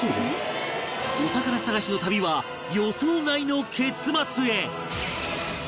お宝探しの旅は予想外の結末へ